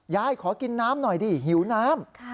ยายขอกินน้ำหน่อยดิหิวน้ำ